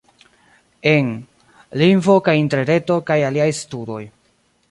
En: Lingvo kaj Interreto kaj aliaj studoj.